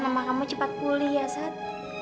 mama kamu cepat pulih ya sat